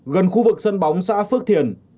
gần khu vực sân bóng xã phước thiền